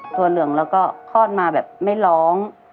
เหลืองแล้วก็คลอดมาแบบไม่ร้อง